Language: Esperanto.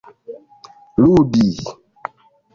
ludi